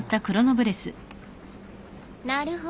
なるほど。